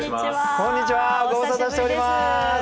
こんにちはご無沙汰しております。